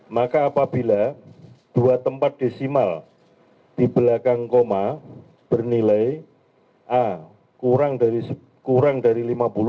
maka apabila dua tempat desimal di belakang koma bernilai a kurang dari lima puluh